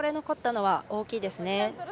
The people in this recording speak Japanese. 残ったのは大きいですね。